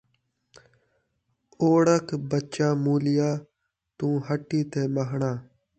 اوڑک ٻچہ مُولیا! توں ہٹی تے ٻہݨا